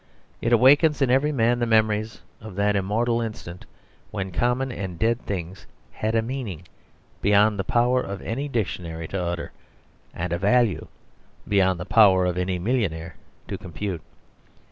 It awakens in every man the memories of that immortal instant when common and dead things had a meaning beyond the power of any dictionary to utter, and a value beyond the power of any millionaire to compute.